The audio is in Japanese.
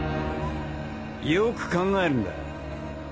よく考えるんだ。